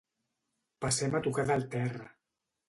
Passem a tocar del terra.